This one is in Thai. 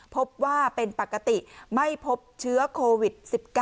พบว่าเป็นปกติไม่พบเชื้อโควิด๑๙